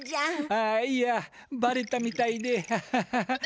あいやばれたみたいでハハハ。